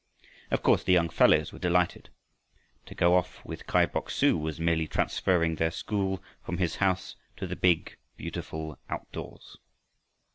Of course, the young fellows were delighted. To go off with Kai Bok su was merely transferring their school from his house to the big beautiful outdoors.